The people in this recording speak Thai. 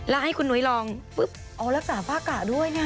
แล้วให้คุณหนุ๊ยลองเอารักษาฝ้ากะด้วยนะ